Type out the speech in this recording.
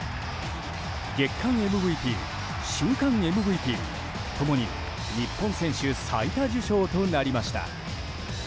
月間ＭＶＰ、週間ＭＶＰ共に日本選手最多受賞となりました。